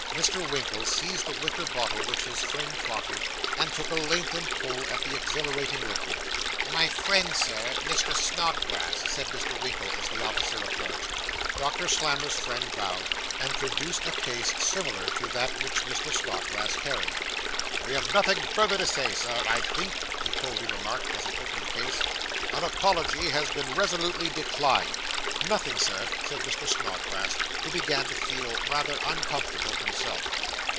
Mr. Winkle seized the wicker bottle which his friend proffered, and took a lengthened pull at the exhilarating liquid. 'My friend, Sir, Mr. Snodgrass,' said Mr. Winkle, as the officer approached. Doctor Slammer's friend bowed, and produced a case similar to that which Mr. Snodgrass carried. 'We have nothing further to say, Sir, I think,' he coldly remarked, as he opened the case; 'an apology has been resolutely declined.' 'Nothing, Sir,' said Mr. Snodgrass, who began to feel rather uncomfortable himself.